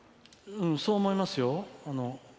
そう思いますよ。